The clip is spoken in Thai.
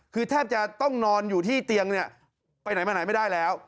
คือแทบจะต้องนอนอยู่ที่เตียงเนี่ยไปไหนมาไหนไม่ได้แล้ว